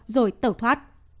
rồi tẩu thoát